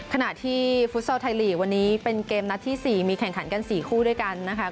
ขณะที่ฟุตซอลไทยลีกวันนี้เป็นเกมนัดที่๔มีแข่งขันกัน๔คู่ด้วยกันนะคะ